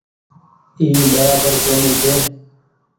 اي برابر ڪونيٚ ڇي۔